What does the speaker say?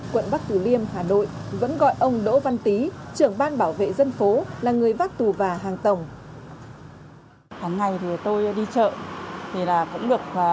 quận bắc tử liêm hà nội vẫn gọi ông đỗ văn tý trưởng ban bảo vệ dân phố là người vác tù và hàng tổng